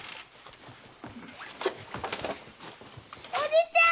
おじちゃん！